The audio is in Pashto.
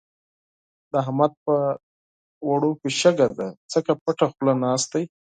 د احمد په اوړو کې شګه ده؛ ځکه پټه خوله ناست دی.